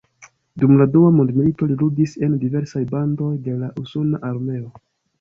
Dum la Dua Mondmilito li ludis en diversaj bandoj de la usona armeo.